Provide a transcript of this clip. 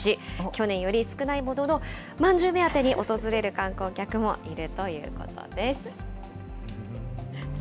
去年より少ないものの、まんじゅう目当てに訪れる観光客もいるということです。